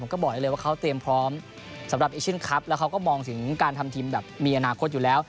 ก็บอกได้เลยว่าเขาเตรียมพร้อมสำหรับเอเชียนคลับแล้วเขาก็มองถึงการทำทีมแบบมีอนาคตอยู่แล้ว